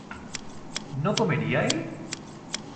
¿no comería él?